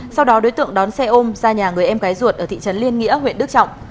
sau đó đối tượng đón xe ôm ra nhà người em gái ruột ở thị trấn liên nghĩa huyện đức trọng